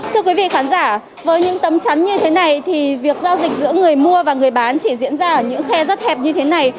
thưa quý vị khán giả với những tấm chắn như thế này thì việc giao dịch giữa người mua và người bán chỉ diễn ra ở những xe rất hẹp như thế này